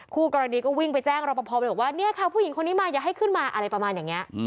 คู่กรณีก็วิ่งไปแจ้งรอปภไปบอกว่าเนี่ยค่ะผู้หญิงคนนี้มาอย่าให้ขึ้นมาอะไรประมาณอย่างนี้